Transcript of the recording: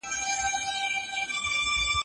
مجلس څنګه خلګ خبروي؟